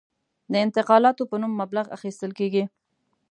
د انتقالاتو په نوم مبلغ اخیستل کېږي.